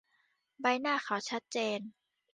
ใบหน้าเขาชัดเจน